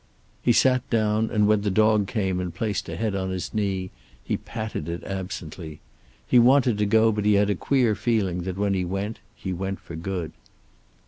He sat down, and when the dog came and placed a head on his knee he patted it absently. He wanted to go, but he had a queer feeling that when he went he went for good.